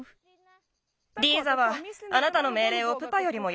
リーザはあなたのめいれいをプパよりもよくきく。